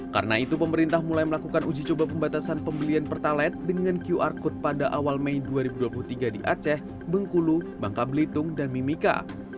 karena itu pemerintah mulai melakukan uji coba pembatasan pembelian pertalit dengan qr code pada awal mei dua ribu dua puluh tiga di aceh bengkulu bangka belitung dan mimika